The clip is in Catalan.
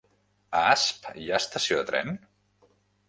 A Asp hi ha estació de tren?